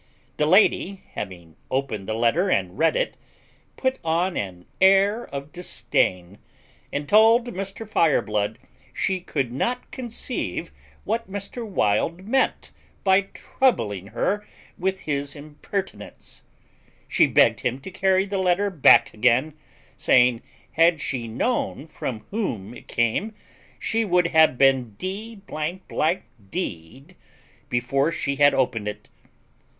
The lady, having opened the letter and read it, put on an air of disdain, and told Mr. Fireblood she could not conceive what Mr. Wild meant by troubling her with his impertinence; she begged him to carry the letter back again, saying, had she known from whom it came, she would have been d d before she had opened it.